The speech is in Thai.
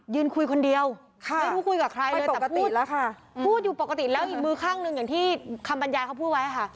ยืนคุยคนเดียวไม่รู้คุยกับใครเลยแต่พูดอยู่ปกติแล้วอีกมือข้างหนึ่งอย่างที่คำบรรยายเขาพูดไว้ค่ะ